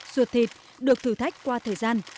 ruột thịt được thử thách qua thời gian